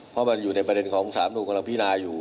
เพราะว่าอยู่ในประเด็นของสามลูกและวันที่นาอยู่